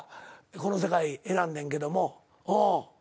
この世界選んでんけども。